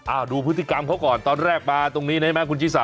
อ้าวดูพฤติกรรมเขาก่อนตอนแรกมาตรงนี้นะครับคุณจี๊สา